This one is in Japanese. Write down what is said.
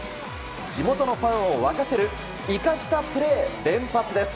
地元のファンを沸かせる生かしたプレー連発です。